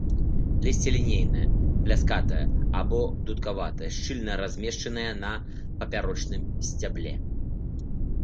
Лісце лінейнае, пляскатае або дудкаватае, шчыльна размешчанае на папярочным сцябле.